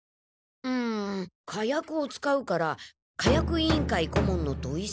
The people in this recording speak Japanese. うん火薬を使うから火薬委員会顧問の土井先生？